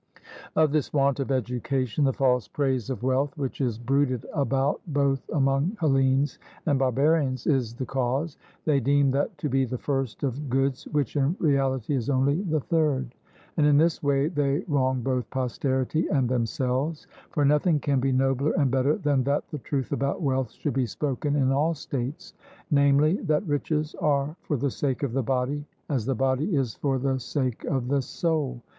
Of this want of education, the false praise of wealth which is bruited about both among Hellenes and barbarians is the cause; they deem that to be the first of goods which in reality is only the third. And in this way they wrong both posterity and themselves, for nothing can be nobler and better than that the truth about wealth should be spoken in all states namely, that riches are for the sake of the body, as the body is for the sake of the soul.